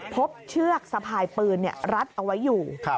เชือกสะพายปืนรัดเอาไว้อยู่